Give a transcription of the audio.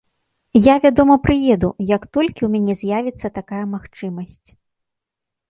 Я, вядома, прыеду, як толькі ў мяне з'явіцца такая магчымасць.